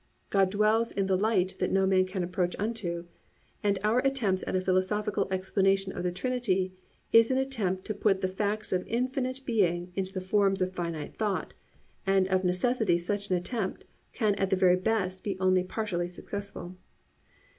"God dwells in the light that no man can approach unto," and _our attempts at a philosophical explanation of the Trinity of God is an attempt to put the facts of infinite being into the forms of finite thought, and of necessity such an attempt can at the very best be only partially successful_.